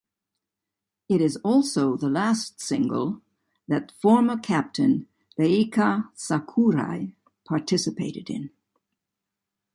It is also the last single that former captain Reika Sakurai participated in.